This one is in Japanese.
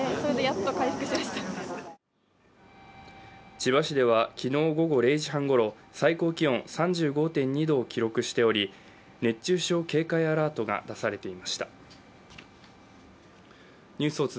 千葉市では昨日午後０時半ごろ最高気温３５．２度を記録しており熱中症警戒アラートが出されていました。